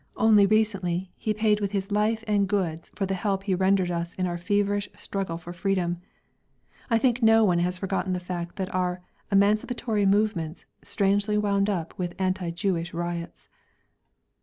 Only recently he paid with his life and goods for the help he rendered us in our feverish struggle for freedom. I think no one has forgotten the fact that our "emancipatory movements" strangely wound up with anti Jewish riots.